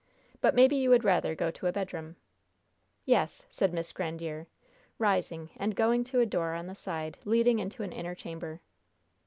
But maybe you would rather go to a bedroom?" "Yes," said Miss Grandiere, rising and going to a door on the side leading into an inner chamber.